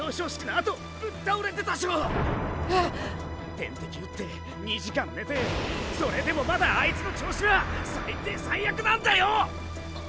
⁉点滴打って２時間寝てそれでもまだアイツの調子は最低最悪なんだヨ！